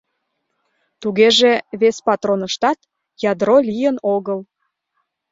Тугеже, вес патроныштат ядро лийын огыл!